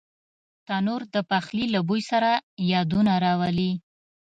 تنور د پخلي له بوی سره یادونه راولي